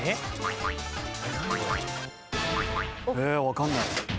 分かんない。